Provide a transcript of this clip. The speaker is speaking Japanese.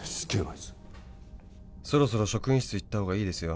いつ「そろそろ職員室行った方がいいですよ」